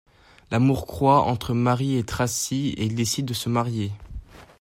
L'amour croît entre Mary et Tracy et ils décident de se marier.